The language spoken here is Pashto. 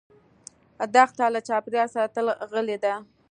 دښته له چاپېریال سره تل غلي ده.